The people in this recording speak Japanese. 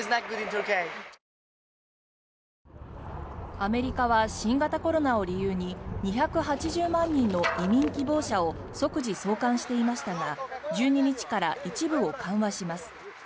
アメリカは新型コロナを理由に２８０万人の移民希望者を即時送還していましたが１２日から一部を緩和します。